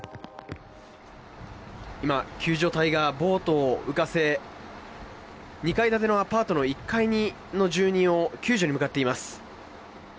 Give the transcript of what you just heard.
今、救助隊がボートを浮かせ２階建てのアパートの１階の住人を救助に向かっています。